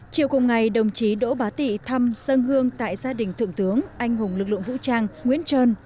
chiều cùng ngày đồng chí đỗ bá tị thăm sơn hương tại gia đình thượng tướng anh hùng lực lượng vũ trang nguyễn trơn